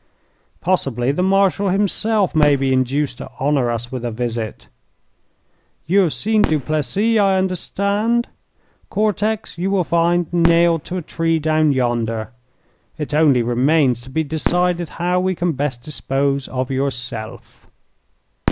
Possibly the Marshal himself may be induced to honour us with a visit. You have seen Duplessis, I understand. Cortex you will find nailed to a tree down yonder. It only remains to be decided how we can best dispose of yourself."